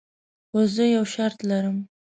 خو زه یو شرط لرم.